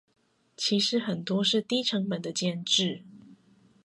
其實很多是低成本的建置